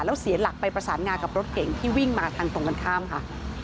แล้วเสียหลักไปประสานงากับรถเก่งที่วิ่งมาทางตรงกันข้ามค่ะ